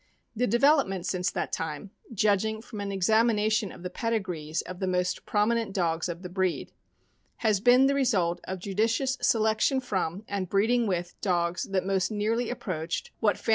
The development since that time — judging from an exam ination of the pedigrees of the most prominent dogs of the breed — has been the result of judicious selection from and breeding with dogs that most nearly approached what fan THE YORKSHIRE TERRIER.